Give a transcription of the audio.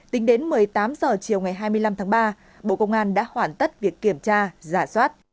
tính đến một mươi tám h chiều ngày hai mươi năm tháng ba bộ công an đã hoàn tất việc kiểm tra giả soát